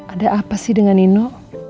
ada apa sih dengan nino